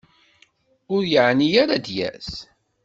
Ur yeɛni ara ad d-yas.